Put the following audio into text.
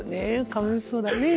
かわいそうだね。